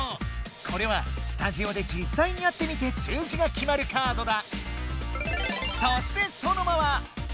これはスタジオでじっさいにやってみて数字が決まるカードだ。